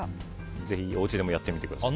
ぜひおうちでもやってみてください。